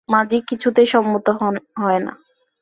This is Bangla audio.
মাজি কিছুতেই সম্মত হয় না।